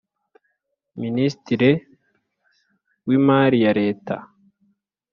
Ministre w’imari ya leta